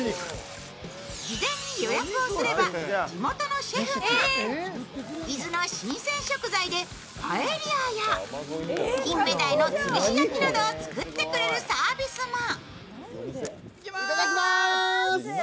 事前に予約をすれば、地元のシェフが、伊豆の新鮮食材でパエリアや、金目鯛の吊るし焼きなどを作ってくれるサービスも。